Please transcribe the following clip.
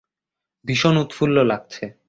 ভীষণ উৎফুল্ল লাগছে।